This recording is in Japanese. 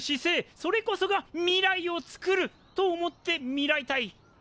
それこそが未来を作ると思ってみらいたい。